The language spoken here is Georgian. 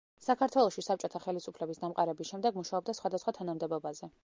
საქართველოში საბჭოთა ხელისუფლების დამყარების შემდეგ მუშაობდა სხვადასხვა თანამდებობაზე.